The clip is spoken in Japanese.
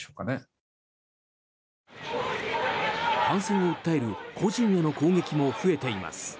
反戦を訴える個人への攻撃も増えています。